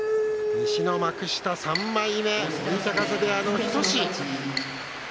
西の幕下３枚目、追手風部屋の日翔志。